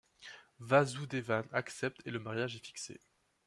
Vasudevan accepte et le mariage est fixé.